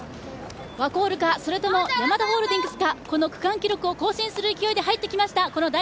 ワコールか、それともヤマダホールディングスか、区間記録を更新する記録で入ってきました。